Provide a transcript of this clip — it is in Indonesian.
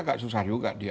agak susah juga dia